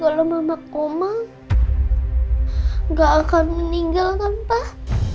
tapi kalau mama koma gak akan meninggalkan pak